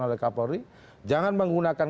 oleh kapolri jangan menggunakan